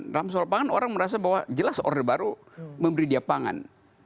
dalam soal pangan orang merasa bahwa jelas orde baru memberi dia pangan